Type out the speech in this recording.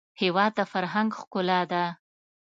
هېواد د فرهنګ ښکلا ده.